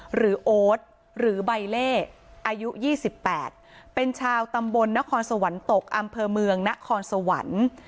โอ๊ตหรือใบเล่อายุ๒๘เป็นชาวตำบลนครสวรรค์ตกอำเภอเมืองนครสวรรค์